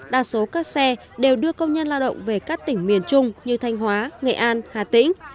đa số các xe đều đưa công nhân lao động về các tỉnh miền trung như thanh hóa nghệ an hà tĩnh